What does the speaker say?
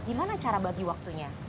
bagaimana cara bagi waktunya